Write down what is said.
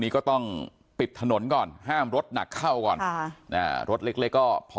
นี้ก็ต้องปิดถนนก่อนห้ามรถหนักเข้าก่อนรถเล็กก็พอ